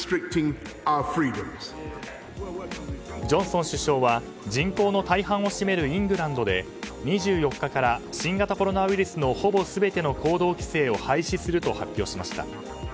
ジョンソン首相は人口の大半を占めるイングランドで２４日から新型コロナウイルスのほぼ全ての行動規制を廃止すると発表しました。